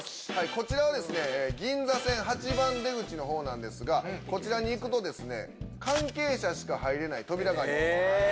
こちらは銀座線８番出口なんですがこちらに行くと関係者しか入れない扉があります。